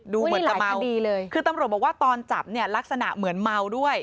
ดูเหมือนจะเมาดีเลยคือตำรวจบอกว่าตอนจับเนี่ยลักษณะเหมือนเมาด้วย